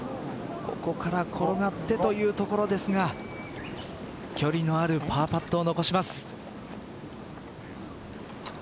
ここから転がってというところですが距離のあるパーパットを残します。